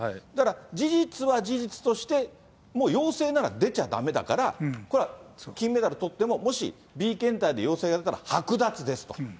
だから、事実は事実として、もう陽性なら出ちゃだめだから、これは金メダルとっても、もしＢ検体で陽性が出たら、剥奪ですと。